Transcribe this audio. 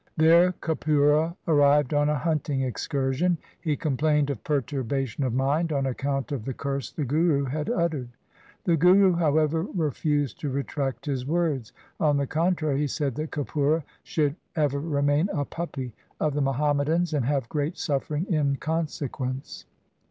There Kapura arrived on a hunting excursion. He complained of perturbation of mind on account of the curse the Guru had uttered. The Guru, how ever, refused to retract his words. On the contrary he said that Kapura should ever remain a puppy of the Muhammadans, and have great suffering in consequence.